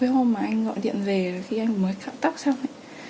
đến cái hôm mà anh gọi điện về khi anh mới khẳng tóc xong ấy